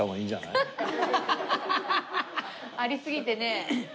ありすぎてね。